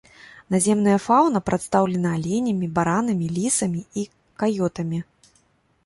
Наземная фаўна прадстаўлена аленямі, баранамі, лісамі і каётамі.